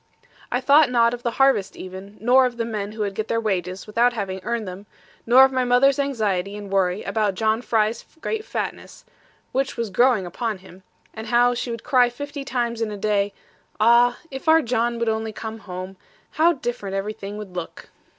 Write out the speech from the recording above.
I thought not of the harvest even, nor of the men who would get their wages without having earned them, nor of my mother's anxiety and worry about John Fry's great fatness (which was growing upon him), and how she would cry fifty times in a day, 'Ah, if our John would only come home, how different everything would look!'